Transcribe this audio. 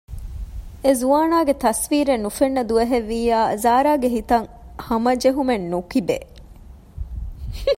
އެޒުވާނާގެ ތަސްވީރެއް ނުފެންނަ ދުވަހެއް ވިއްޔާ ޒާރާގެ ހިތަށް ހަމަޖެހުމެއް ނުކިބޭ